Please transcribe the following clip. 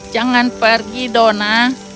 jangan pergi dona